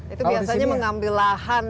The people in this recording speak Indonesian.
itu biasanya mengambil lahan